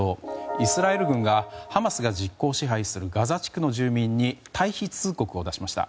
イスラエル軍が、ハマスが実効支配するガザ地区の住民に退避通告を出しました。